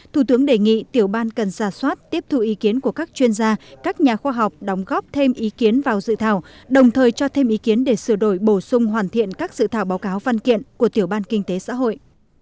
thủ tướng đề nghị tiểu ban cần ra soát tiếp thu ý kiến của các chuyên gia các nhà khoa học đóng góp thêm ý kiến vào dự thảo đồng thời cho thêm ý kiến để sửa đổi bổ sung hoàn thiện các dự thảo báo cáo văn kiện của tiểu ban kinh tế xã hội